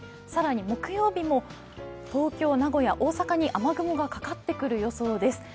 更に木曜日も東京、名古屋、大阪に雨雲がかかってくる予想です。